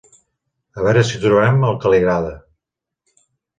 A veure si trobem el que li agrada.